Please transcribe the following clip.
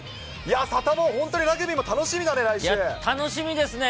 サタボー、本当にラグビーも楽し楽しみですね。